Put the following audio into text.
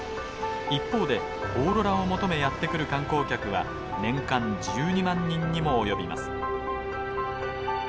一方でオーロラを求めやって来る観光客は年間１２万人にも及びます。